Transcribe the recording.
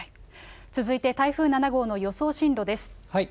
続いて台風７号の予想進路です。